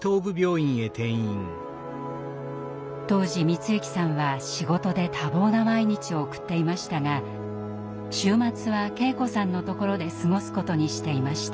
当時光行さんは仕事で多忙な毎日を送っていましたが週末は圭子さんのところで過ごすことにしていました。